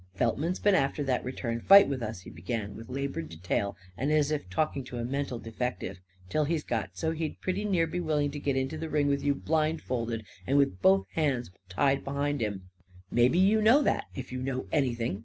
"Feltman's been after that return fight with us," he began with laboured detail and as if talking to a mental defective, "till he's got so he'd pretty near be willing to get into the ring with you blindfold and with both hands tied behind him. Maybe you know that, if you know anything.